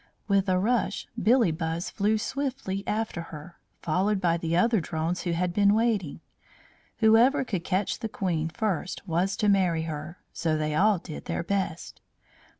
With a rush Billybuzz flew swiftly after her, followed by the other drones who had been waiting. Whoever could catch the Queen first was to marry her, so they all did their best.